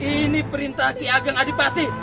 ini perintah ki ageng adipati